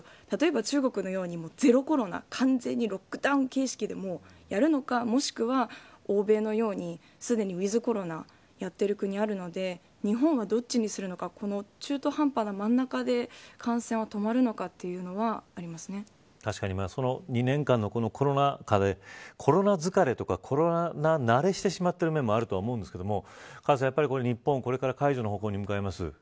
例えば、中国のようにゼロコロナ完全にロックダウン形式でやるのかもしくは欧米のようにすでにウィズコロナをやっている国があるので日本はどっちにするのか中途半端な真ん中で、感染が止まるのかというのは確かに２年間のコロナ禍でコロナ疲れとか、コロナ慣れしてしまっている面もあるとは思うんですがカズさん、日本これから解除の方向に向かいます。